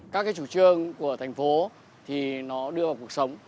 các cái chủ trương của thành phố thì nó đưa vào cuộc sống